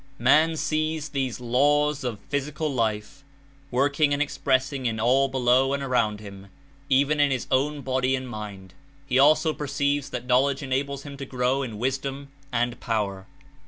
Man sees these laws of physical life working and expressing In all below and around him, even in his own body and mind; he also perceives that knowledge enables him to grow In wisdom and power.